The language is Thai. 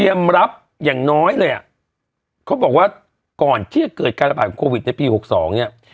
อย่างน้อยเลยอ่ะเขาบอกว่าก่อนที่จะเกิดการระบาดของโควิดในปีหกสองเนี่ย